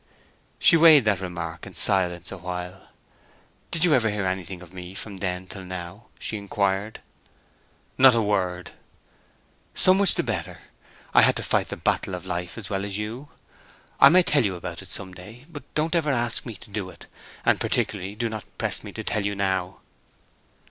She weighed that remark in silence a while. "Did you ever hear anything of me from then till now?" she inquired. "Not a word." "So much the better. I had to fight the battle of life as well as you. I may tell you about it some day. But don't ever ask me to do it, and particularly do not press me to tell you now."